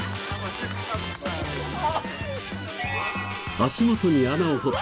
足元に穴を掘って。